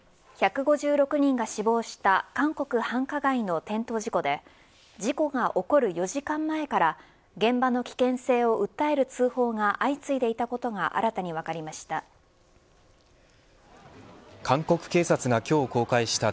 １５６人が死亡した韓国繁華街の転倒事故で事故が起こる４時間前から現場の危険性を訴える通報が相次いでいたことが新たに分かりました。